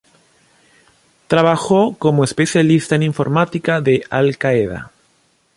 Trabajó como especialista en informática de al-Qaeda.